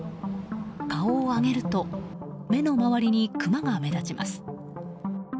顔を上げると目の周りにクマが目立ちます。